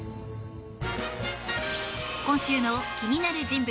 今週の気になる人物